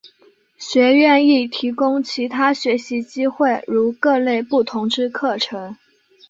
学院亦提供其他学习机会如各类不同之课程。